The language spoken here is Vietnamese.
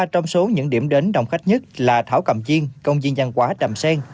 ba trong số những điểm đến đồng khách nhất là thảo cầm chiên công viên văn hóa đàm sen